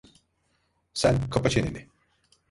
Sen kapa çeneni!